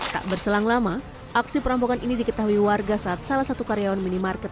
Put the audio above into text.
tak berselang lama aksi perampokan ini diketahui warga saat salah satu karyawan minimarket